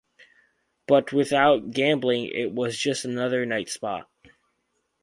But without gambling, it was just another nightspot.